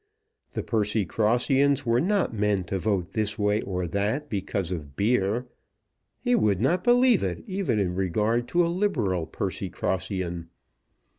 The Percycrossians were not men to vote this way or that because of beer! He would not believe it even in regard to a Liberal Percycrossian.